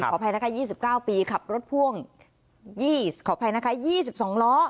อภัยนะคะ๒๙ปีขับรถพ่วงขออภัยนะคะ๒๒ล้อ